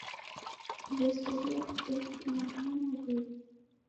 W'eseria kusemfunye mwana mariw'a